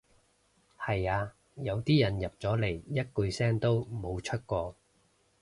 係呀，有啲人入咗嚟一句聲都冇出過